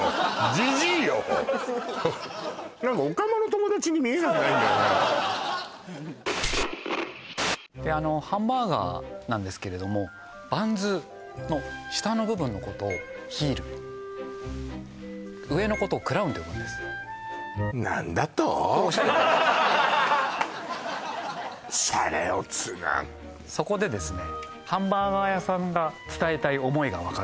ジジイよ何かオカマの友達に見えなくないんだよねハンバーガーなんですけれどもバンズの下の部分のことをヒール上のことをクラウンと呼ぶんですオシャレシャレオツなそこでですね